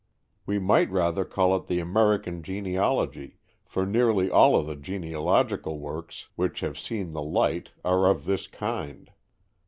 We might rather call it the American genealogy, for nearly all the genealogical works, which have seen the light, are of this kind.